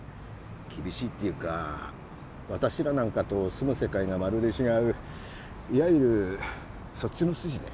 厳しいっていうか私らなんかと住む世界がまるで違ういわゆるそっちの筋で。